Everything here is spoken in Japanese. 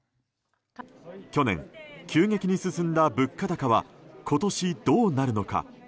去年、急激に進んだ物価高は今年、どうなるのか。